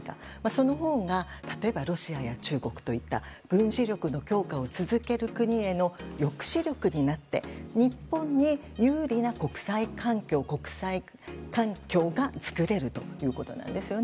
そのほうが例えばロシアや中国といった軍事力の強化を続ける国への抑止力になって日本に有利な国際環境が作れるということなんです。